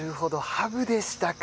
ハブでしたか。